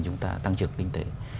chúng ta tăng trưởng kinh tế